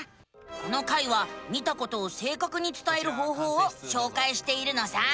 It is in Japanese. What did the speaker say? この回は見たことをせいかくにつたえる方法をしょうかいしているのさ。